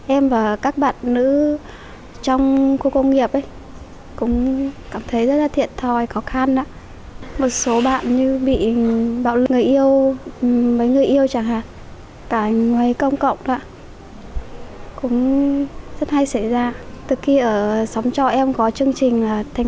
em và các bạn nữ trong khu công nghiệp cũng cảm thấy rất là thiện thòi khó khăn